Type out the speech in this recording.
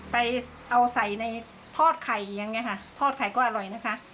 ไปเอาใส่ในทอดไข่อย่างนี้ค่ะทอดไข่ก็อร่อยนะคะ